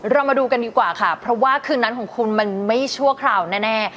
เรามาดูกันดีกว่าค่ะเพราะว่าคืนนั้นของคุณมันไม่ชั่วคราวแน่